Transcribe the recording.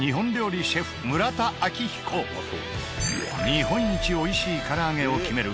日本一おいしい唐揚げを決める